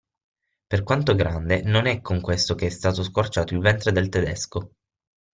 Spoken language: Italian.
Per quanto grande, non è con questo che è stato squarciato il ventre del tedesco.